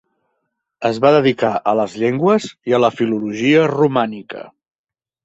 Es va dedicar a les llengües i a la filologia romànica.